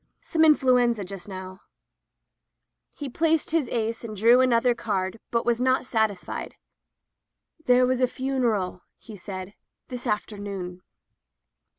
"Some influenza just now/' He placed his ace and drew another card, but was not satisfied. "There was a funeral," he said, "this afternoon."